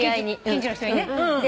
近所の人にね。